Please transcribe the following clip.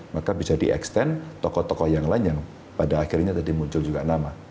maka bisa di extend tokoh tokoh yang lain yang pada akhirnya tadi muncul juga nama